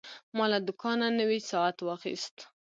ما له دوکانه نوی ساعت واخیست.